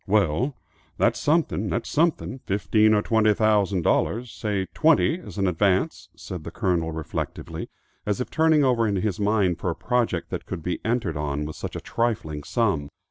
"Well, that's something, that's something, fifteen or twenty thousand dollars, say twenty as an advance," said the Colonel reflectively, as if turning over his mind for a project that could be entered on with such a trifling sum.